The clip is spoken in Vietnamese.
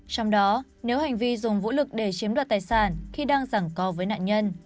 trong đó nếu hành vi dùng vũ lực để chiếm đoạt tài sản khi đang giảng co với nạn nhân